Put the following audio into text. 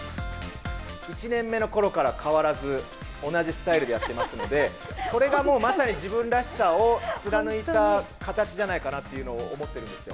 １年目のころから変わらず同じスタイルでやってますので、これがもうまさに自分らしさを貫いた形じゃないかなっていうのを思ってるんですよ。